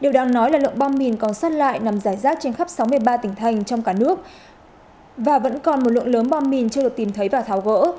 điều đang nói là lượng bom mìn còn sót lại nằm giải rác trên khắp sáu mươi ba tỉnh thành trong cả nước và vẫn còn một lượng lớn bom mìn chưa được tìm thấy và tháo gỡ